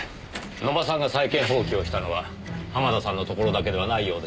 野間さんが債権放棄をしたのは濱田さんのところだけではないようですよ。